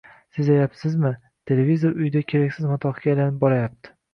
Sezayapsizmi, televizor uyda keraksiz matohga aylanib borayapti.